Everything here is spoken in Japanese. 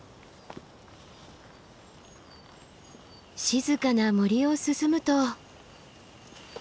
静かな森を進むと。